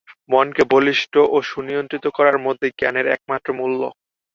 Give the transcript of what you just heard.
মনকে বলিষ্ঠ ও সুনিয়ন্ত্রিত করার মধ্যেই জ্ঞানের একমাত্র মূল্য।